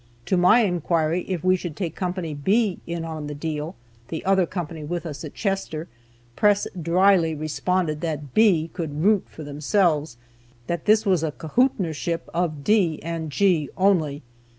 To my inquiry if we should take Company B in on the deal (the other company with us at Chester), Press dryly responded that B could root for themselves; that this was a "cahootnership" of D and G only.